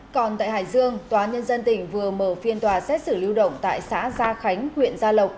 còn tại hải dương tòa nhân dân tỉnh vừa mở phiên tòa xét xử lưu động tại xã gia khánh huyện gia lộc